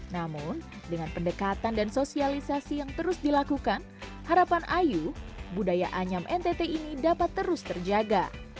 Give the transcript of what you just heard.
namun dengan pendekatan dan sosialisasi yang terus dilakukan harapan ayu budaya anyam ntt ini dapat terus terjaga